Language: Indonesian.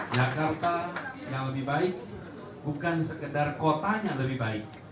jakarta yang lebih baik bukan sekedar kotanya lebih baik